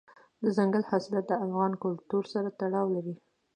دځنګل حاصلات د افغان کلتور سره تړاو لري.